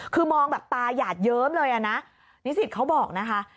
คือมองแบบตายาดเยิ้มเลยอ่ะนะนิสิตเขาบอกนะคะ